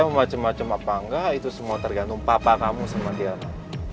saya mau macem macem apa enggak itu semua tergantung papa kamu sama tiana